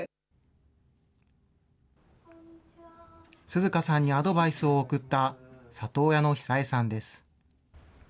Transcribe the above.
涼花さんにアドバイスを送った里親のヒサエさんです。